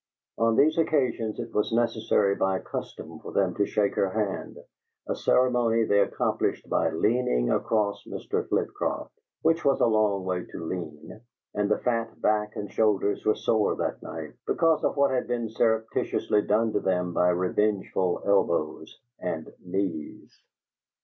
On these occasions it was necessary by custom for them to shake her hand, a ceremony they accomplished by leaning across Mr. Flitcroft, which was a long way to lean, and the fat back and shoulders were sore that night because of what had been surreptitiously done to them by revengeful elbows and knees.